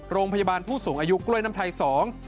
โรงพยาบาลผู้สูงอายุกล้วยน้ำไทย๒